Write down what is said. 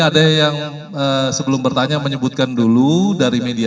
ada yang sebelum bertanya menyebutkan dulu dari media